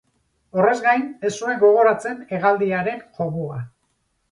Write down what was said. Horrez gain, ez zuen gogoratzen hegaldiaren jomuga.